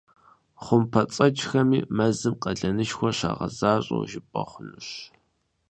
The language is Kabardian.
ХъумпӀэцӀэджхэми мэзым къалэнышхуэ щагъэзащӏэу жыпӏэ хъунущ.